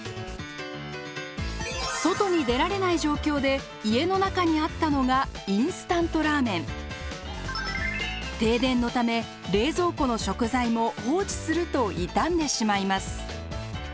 外に出られない状況で家の中にあったのが停電のため冷蔵庫の食材も放置すると傷んでしまいます。